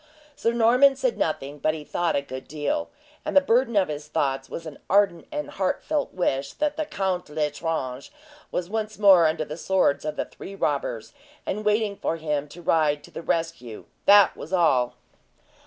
Sir Norman said nothing, but he thought a good deal, and the burden of his thoughts was an ardent and heartfelt wish that the Court L'Estrange was once more under the swords of the three robbers, and waiting for him to ride to the rescue that was all!